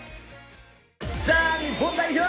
さあ日本代表。